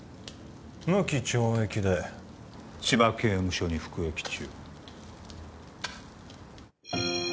無期懲役で千葉刑務所に服役中。